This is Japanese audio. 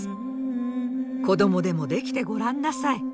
子供でもできてごらんなさい。